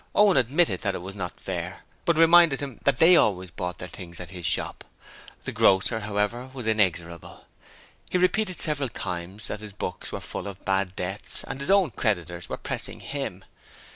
Owen admitted that it was not fair, but reminded him that they always bought their things at his shop. The grocer, however, was inexorable; he repeated several times that his books were full of bad debts and his own creditors were pressing him.